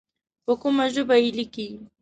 په کومه ژبه یې لیکې.